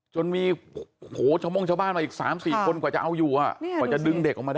จนมีโหว่ชมงชาวบ้านมาอีก๓๔คนกว่าจะเอาอยู่